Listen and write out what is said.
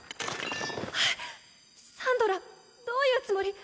あっサンドラどういうつもり？